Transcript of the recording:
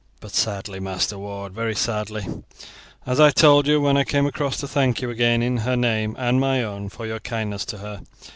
"But sadly, Master Ward, very sadly, as I told you when I came across to thank you again in her name and my own for your kindness to her.